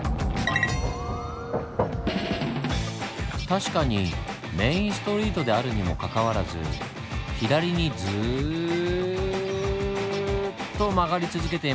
確かにメインストリートであるにもかかわらず左にずぅっと曲がり続けていますねぇ。